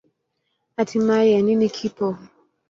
Hatimaye, nini kipo?